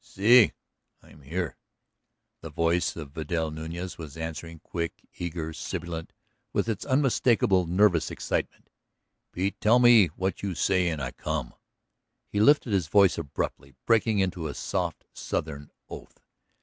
"Si; I am here," the voice of Vidal Nuñez was answering, quick, eager, sibilant with its unmistakable nervous excitement. "Pete tell me what you say an' I come." He lifted his voice abruptly, breaking into a soft Southern oath.